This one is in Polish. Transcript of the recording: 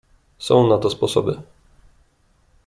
"Są na to sposoby."